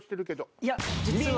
いや実は。